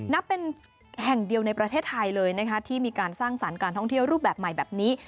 นับเป็นแห่งเดียวในประเทศไทยเลยนะคะที่มีการสร้างสรรค์การท่องเที่ยวรูปแบบใหม่แบบนี้